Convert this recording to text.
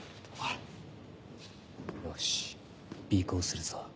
よし尾行するぞ。